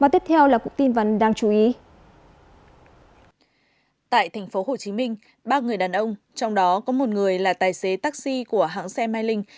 tại tp hcm ba người đàn ông trong đó có một người là tài xế taxi của hãng xe mai linh